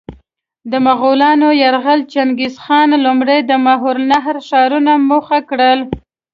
د مغولانو یرغل: چنګیزخان لومړی د ماورالنهر ښارونه موخه کړل.